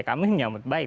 kami menyambut baik